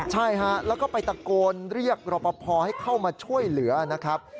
ใช่ฮะแล้วก็ไปตะโกนเรียกรอปภให้เข้ามาช่วยเหลือนะครับ